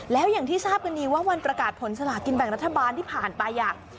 แล้วอย่างที่ทราบกันดีว่าวันประกาศผลสลากินแบ่งรัฐบาลที่ผ่านไป